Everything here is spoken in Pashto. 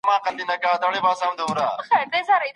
علمي بډاينه به خوشحاله ټولنه رامنځته کړي.